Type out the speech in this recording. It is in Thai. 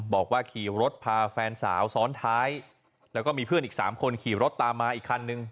บอกว่าขี่รถพาแฟนสาวซ้อนท้ายแล้วก็มีเพื่อนอีก๓คนขี่รถตามมาอีกคันนึง